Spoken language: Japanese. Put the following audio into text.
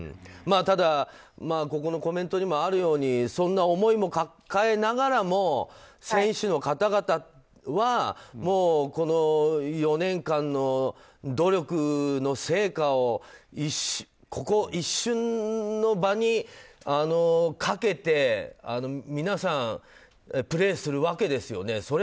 ただここのコメントにもあるようにそんな思いも抱えながらも選手の方々はこの４年間の努力の成果をここ一瞬の場にかけて皆さん、プレーするわけですよね。